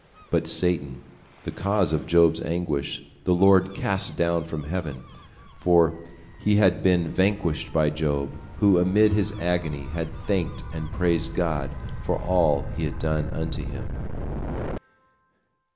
But Satan, the cause of Job's anguish, the Lord cast down from heaven, for he had been vanquished by Job, who amid his agony had thanked and praised God for all He had done unto him.